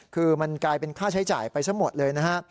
คือมันกลายเป็นค่าใช้จ่ายไปซะหมดเลยนะฮะ